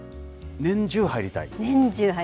年中入りたい。